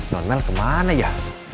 normal kemana ya